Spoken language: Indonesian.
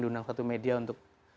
diundang satu media untuk